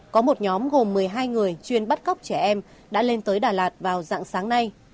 có một nhóm gồm một mươi hai người chuyên bắt cóc trẻ em đã lên tới đà lạt vào dạng sáng nay